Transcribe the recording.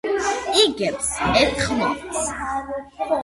იგებს ერთ ხბოს.